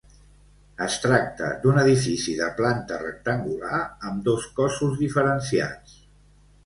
Es tracta d'un edifici de planta rectangular amb dos cossos diferenciats.